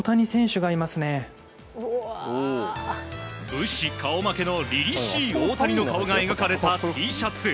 武士顔負けのりりしい大谷の顔が描かれたＴシャツ。